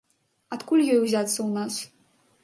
Адкуль ёй узяцца ў нас?